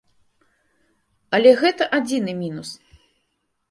Але гэта адзіны мінус.